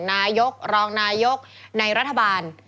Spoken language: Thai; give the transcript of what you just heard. นายกรองนายกในรัฐบาล